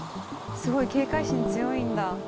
すごい警戒心強いんだ。